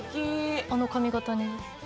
あの髪形に？